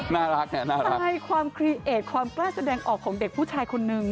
น่ารักอ่ะน่ารักใช่ความคลีเอดความกล้าแสดงออกของเด็กผู้ชายคนนึง